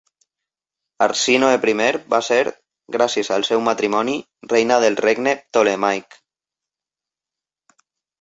Arsínoe I va ser, gràcies al seu matrimoni, reina del regne ptolemaic.